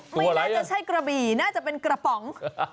ไม่น่าจะใช่กระบี่น่าจะเป็นกระป๋อง